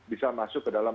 bisa masuk ke dalam